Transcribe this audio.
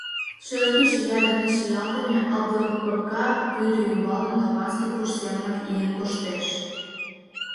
Шӧртньӧ чия дене чиялтыме алдыркорка пӱрӧ ӱмбалне норманский пуш семынак ийын коштеш.